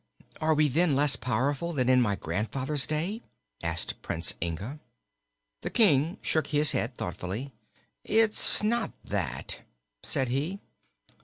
"Are we, then, less powerful than in my grandfather's day?" asked Prince Inga. The King shook his head thoughtfully. "It is not that," said he.